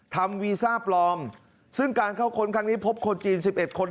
วีซ่าปลอมซึ่งการเข้าค้นครั้งนี้พบคนจีน๑๑คน